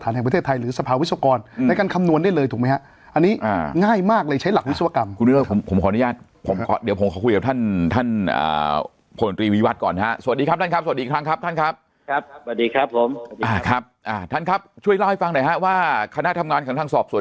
ในการคำนวณได้เลยถูกไหมฮะอันนี้อ่าง่ายมากเลยใช้หลักวิศวกรรมผมขออนุญาตผมขอเดี๋ยวผมขอคุยกับท่านท่านอ่าโผล่นตรีวีวัฒน์ก่อนฮะสวัสดีครับท่านครับสวัสดีครั้งครับท่านครับครับสวัสดีครับผมอ่าครับอ่าท่านครับช่วยเล่าให้ฟังหน่อยฮะว่าคณะทำงานของทางสอบสว